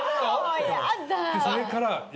それから。